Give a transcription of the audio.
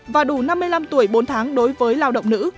và đủ năm mươi năm tuổi bốn tháng đối với lao động nữ